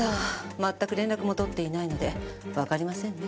全く連絡も取っていないのでわかりませんね。